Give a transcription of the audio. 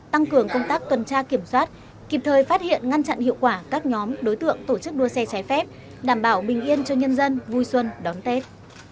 tăng cường công tác tuần tra kiểm soát kịp thời phát hiện ngăn chặn hiệu quả các nhóm đối tượng tổ chức đua xe trái phép đảm bảo bình yên cho nhân dân vui xuân đón tết